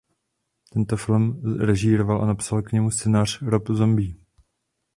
Tento film režíroval a napsal k němu scénář Rob Zombie.